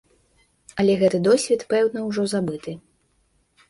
Але гэты досвед, пэўна, ужо забыты.